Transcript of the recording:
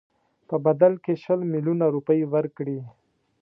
په بدل کې شل میلیونه روپۍ ورکړي.